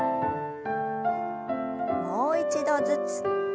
もう一度ずつ。